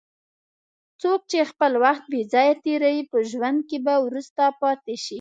څوک چې خپل وخت بې ځایه تېروي، په ژوند کې به وروسته پاتې شي.